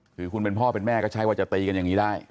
คือคุณเป็นพ่อเป็นแม่ก็ใช่ว่าจะตีกันอย่างนี้ได้